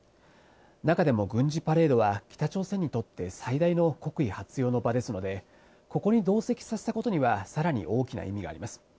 中でも軍事パレードは、北朝鮮にとって最大の国威発揚の場ですので、ここに同席させたことには、さらに大きな意味があります。